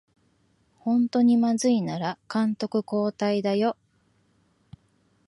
ほんとにまずいなら監督交代だよ